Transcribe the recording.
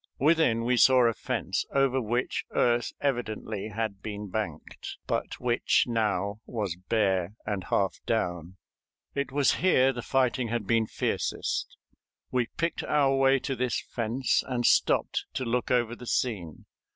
Within we saw a fence over which earth evidently had been banked, but which now was bare and half down. It was here the fighting had been fiercest. We picked our way to this fence, and stopped to look over the scene.